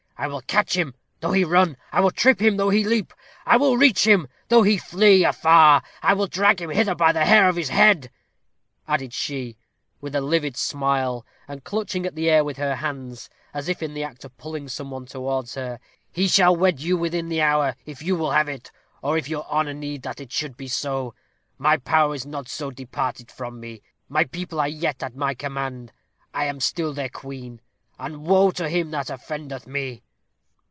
I will catch him, though he run. I will trip him, though he leap. I will reach him, though he flee afar. I will drag him hither by the hair of his head," added she, with a livid smile, and clutching at the air with her hands, as if in the act of pulling some one towards her. "He shall wed you within the hour, if you will have it, or if your honor need that it should be so. My power is not departed from me. My people are yet at my command. I am still their queen, and woe to him that offendeth me!"